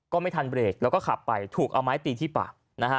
ก็ไม่ทันเบรกแล้วก็ขับไปถูกเอาไม้ตีที่ปากนะฮะ